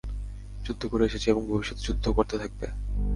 যুদ্ধ করে এসেছে এবং ভবিষ্যতেও যুদ্ধ করতে থাকবে।